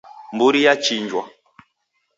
Mburi yachinjwa.